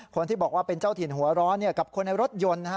คนที่บอกว่าเป็นเจ้าถิ่นหัวร้อนกับคนในรถยนต์นะฮะ